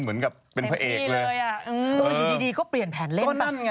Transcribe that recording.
คือเมื่อคืนนี้ไม่หลับไม่นอนใช่ไหม